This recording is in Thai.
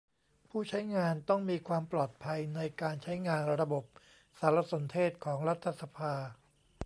ผู้ใช้งานต้องมีความปลอดภัยในการใช้งานระบบสารสนเทศของรัฐสภา